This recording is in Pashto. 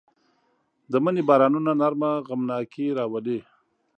د مني بارانونه نرمه غمناکي راولي